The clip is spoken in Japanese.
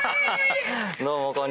どうもこんにちは。